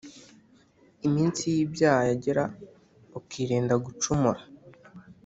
iminsi y’ibyaha yagera, ukirinda gucumura.